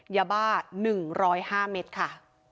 ยาบ้าหนึ่งร้อยห้าเมตรค่ะ